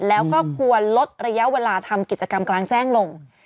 แล้วก็ควรลดระยะเวลาทำกิจกรรมกลางแจ้งลง